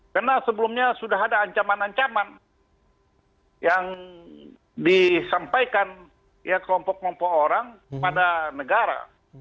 karena sebelumnya sudah ada ancaman ancaman yang disampaikan kelompok kelompok orang pada negara